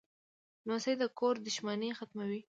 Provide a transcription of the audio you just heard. لمسی د کور دښمنۍ ختموي.